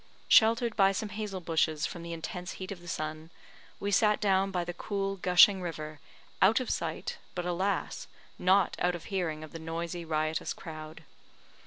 Sheltered by some hazel bushes from the intense heat of the sun, we sat down by the cool, gushing river, out of sight, but, alas! not out of hearing of the noisy, riotous crowd.